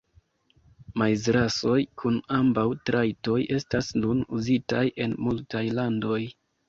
Maizrasoj kun ambaŭ trajtoj estas nun uzataj en multaj landoj.